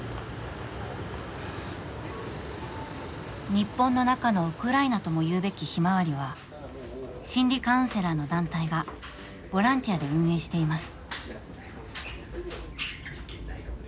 日本の中のウクライナともいうべき「ひまわり」は心理カウンセラーの団体がボランティアで運営しています。